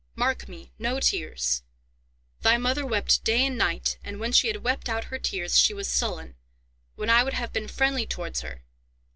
Mark me, no tears. Thy mother wept day and night, and, when she had wept out her tears, she was sullen, when I would have been friendly towards her.